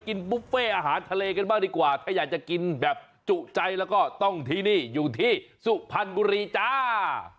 บุฟเฟ่อาหารทะเลกันบ้างดีกว่าถ้าอยากจะกินแบบจุใจแล้วก็ต้องที่นี่อยู่ที่สุพรรณบุรีจ้า